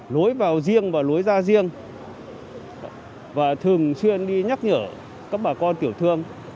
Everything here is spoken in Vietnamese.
lối vào riêng và lối ra riêng và thường xuyên đi nhắc nhở các bà con tiểu thương